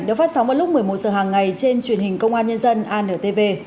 đã phát sóng vào lúc một mươi một h hàng ngày trên truyền hình công an nhân dân anrtv